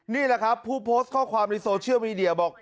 นี่แหละครับผู้โพสต์ข้อความในโซเชียลมีเดียบอก